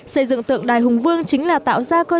xây dựng tượng đài hùng vương chính là tạo ra cơ sở vật chất lượng